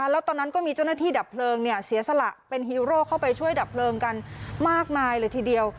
แล้วตอนนั้นก็มีเจ้าหน้าที่ดับเพลิงเสียสละเป็นฮีโร่เข้าไปช่วยดับเพลิงกันมากมายเลยทีเดียว